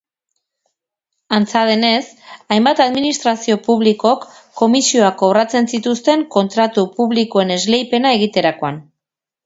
Antza denez, hainbat administrazio publikok komisioak kobratzen zituzten kontratu publikoen esleipena egiterakoan.